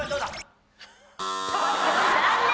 残念！